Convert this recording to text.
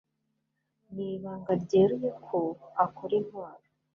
Ni ibanga ryeruye ko akora intwaro